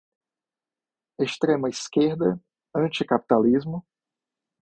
Extrema-esquerda, anticapitalismo